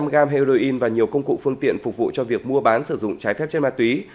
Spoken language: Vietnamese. một trăm linh gram heroin và nhiều công cụ phương tiện phục vụ cho việc mua bán sử dụng trái phép trên ma túy